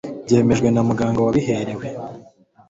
byemejwe na muganga wabiherewe